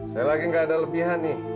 saya lagi nggak ada lebihan nih